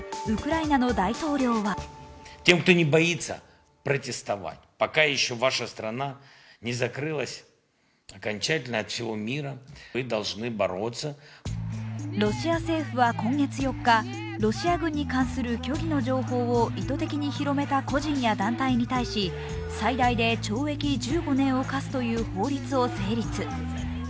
ウクライナの大統領はロシア政府は今月４日、ロシア軍に関する虚偽の情報を意図的に広めた個人や団体に対し最大で懲役１５年を科すという法律を成立。